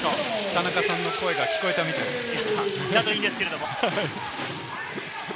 田中さんの声が聞こえたみたいですね。